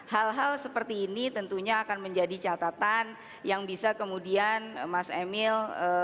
hal hal seperti ini tentunya akan menjadi catatan yang bisa kemudian mas emil